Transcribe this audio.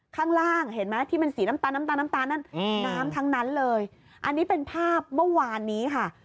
ข้างล่างเห็นไหมที่เป็นสีน้ำตาลน้ำทั้งนั้นอันนี้เป็นภาพเมื่อวานนี้ค่ะ